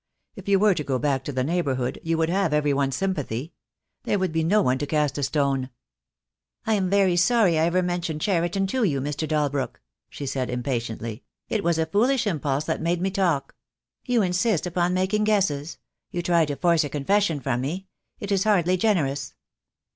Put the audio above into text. If you were to go back to the neighbourhood you would have everybody's sympathy. There would be no one to cast a stone." "I am very sorry I ever mentioned Cheriton to you, Mr. Dalbrook," she said impatiently. "It was a foolish impulse that made me talk. You insist upon making guesses. You try to force a confession from me. It is hardly generous."